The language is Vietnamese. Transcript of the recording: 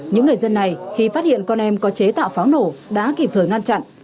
những người dân này khi phát hiện con em có chế tạo pháo nổ đã kịp thời ngăn chặn